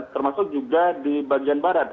termasuk juga di bagian barat